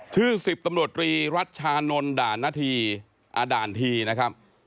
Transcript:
ชื่อ๑๐ตำรวจรีรัชชานนท์ด่านนาธีด่านทีนะครับ